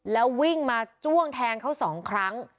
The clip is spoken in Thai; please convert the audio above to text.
แล้ววิ่งมาจ้วงแทงเขาสองครั้ง